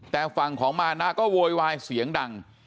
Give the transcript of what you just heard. แต่ฝั่งของมานะก็โวยวายเสียงดัง